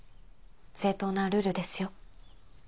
正当なルールですよ